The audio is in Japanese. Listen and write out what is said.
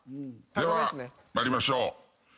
では参りましょう。